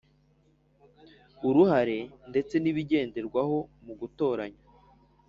uruhare ndetse n ibigenderwaho mu gutoranya